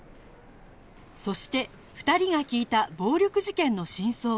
そして２人が聞いた暴力事件の真相